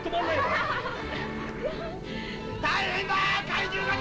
大変だ！